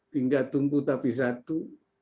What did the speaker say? tinggal tumbuh tapi satu